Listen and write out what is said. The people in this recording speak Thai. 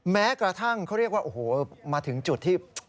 แม้กระทั่งเขาเรียกว่าโอ้โหมาถึงจุดที่